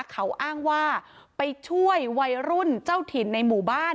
เขาอ้างว่าไปช่วยวัยรุ่นเจ้าถิ่นในหมู่บ้าน